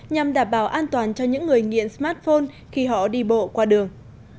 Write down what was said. nhằm đảm bảo an toàn cho những người nghiện smartphone khi họ đi bộ qua đường